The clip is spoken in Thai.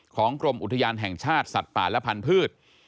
กรมอุทยานแห่งชาติสัตว์ป่าและพันธุ์